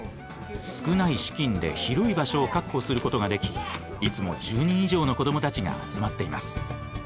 少ない資金で広い場所を確保することができいつも１０人以上の子どもたちが集まっています。